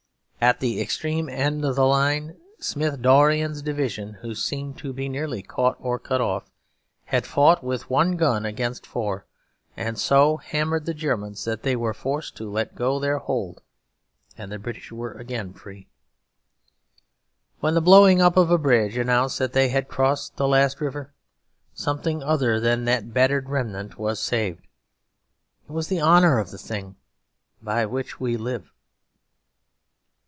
At the extreme end of the line Smith Dorrien's division, who seemed to be nearly caught or cut off, had fought with one gun against four, and so hammered the Germans that they were forced to let go their hold; and the British were again free. When the blowing up of a bridge announced that they had crossed the last river, something other than that battered remnant was saved; it was the honour of the thing by which we live.